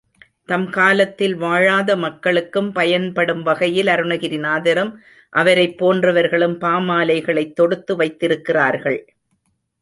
தம் காலத்தில் வாழாத மக்களுக்கும் பயன்படும் வகையில் அருணகிரிநாதரும் அவரைப் போன்றவர்களும் பாமாலைகளைத் தொடுத்து வைத்திருக்கிறார்கள்.